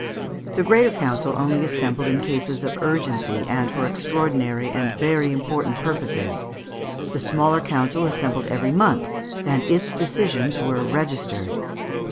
The Greater Council only assembled in cases of urgency and for extraordinary and very important purposes, the Smaller Council assembled every month, and its decisions were registered.